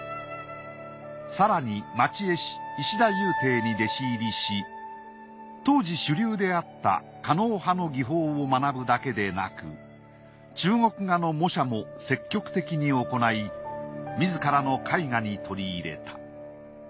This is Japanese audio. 更に町絵師石田幽汀に弟子入りし当時主流であった狩野派の技法を学ぶだけでなく中国画の模写も積極的に行い自らの絵画に取り入れた。